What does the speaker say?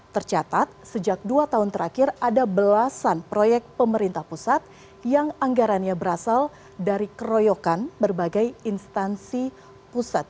tercatat sejak dua tahun terakhir ada belasan proyek pemerintah pusat yang anggarannya berasal dari keroyokan berbagai instansi pusat